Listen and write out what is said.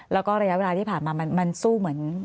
แล้วก็ระยะเวลาที่ผ่านมามันสู้เหมือน